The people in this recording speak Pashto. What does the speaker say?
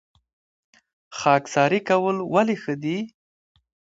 خاکساري کول ولې ښه دي؟